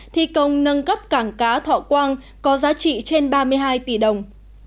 thi công nâng cấp cảng cá thọ quang có giá trị trên ba mươi hai tỷ đồng